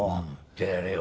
じゃあやれよ。